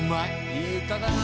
いい歌だな。